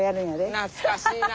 懐かしいな。